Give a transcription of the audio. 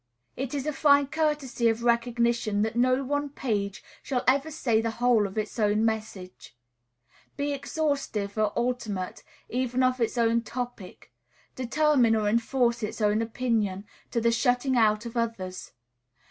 It is a fine courtesy of recognition that no one page shall ever say the whole of its own message; be exhaustive, or ultimate, even of its own topic; determine or enforce its own opinion, to the shutting out of others.